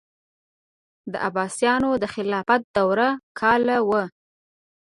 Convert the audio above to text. د عباسیانو د خلافت دوره کاله وه.